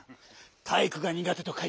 「たいいくがにがて」とかいておけ。